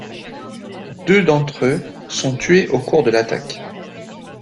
Deux d'entre eux sont tués au cours de l'attaque.